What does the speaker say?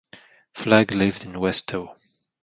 Flagg lived in Westoe.